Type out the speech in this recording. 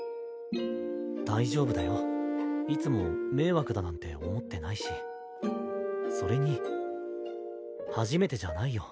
大丈夫だよ。いつも迷惑だなんて思ってないしそれに初めてじゃないよ。